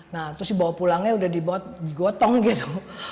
nah terus dibawa pulangnya sudah dibot digotong gitu